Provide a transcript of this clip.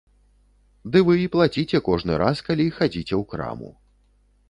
Ды вы і плаціце кожны раз, калі хадзіце ў краму.